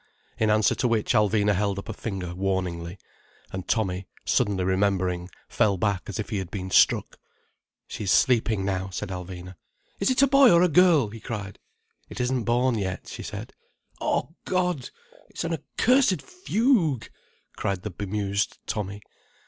In answer to which Alvina held up a finger warningly, and Tommy, suddenly remembering, fell back as if he had been struck. "She is sleeping now," said Alvina. "Is it a boy or a girl?" he cried. "It isn't born yet," she said. "Oh God, it's an accursed fugue!" cried the bemused Tommy.